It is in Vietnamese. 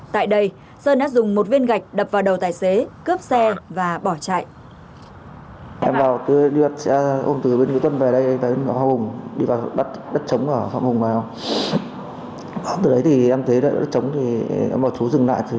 tại đây sơn đã dùng một viên gạch đập vào đầu tài xế cướp xe và bỏ chạy